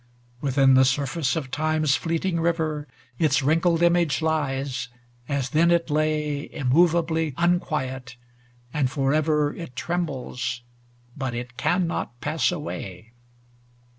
VI Within the surface of Time's fleeting river Its wrinkled image lies, as then it lay Immovably unquiet, and forever It trembles, but it cannot pass away